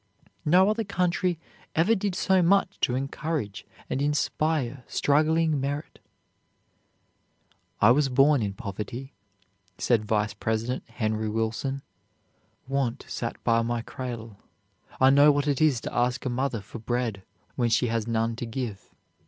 No other country ever did so much to encourage and inspire struggling merit. "I was born in poverty," said Vice President Henry Wilson. "Want sat by my cradle. I know what it is to ask a mother for bread when she has none to give.